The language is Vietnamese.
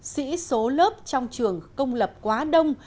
xỉ số lớp trong trường công lập quá đông